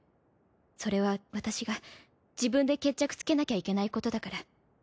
それは私が自分で決着つけなきゃいけないことだから。